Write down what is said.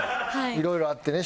いろいろあってね